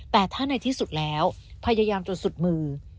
แต่ถ้าในที่สุดแล้วพยายามจนสุดมือ